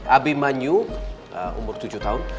abimanyu umur tujuh tahun